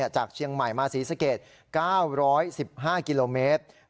จากเชียงใหม่มาศรีสะเกด๙๑๕กิโลเมตร